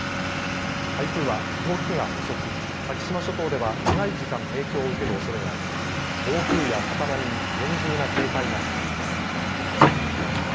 台風は動きが遅く先島諸島では長い時間影響を受けるおそれがあり暴風や高波に厳重な警戒が必要です。